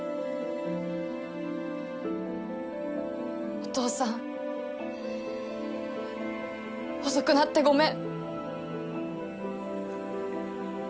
お父さん遅くなってごめん。